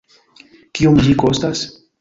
Kiom ĝi kostas?